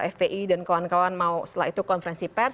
fpi dan kawan kawan mau setelah itu konferensi pers